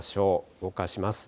動かします。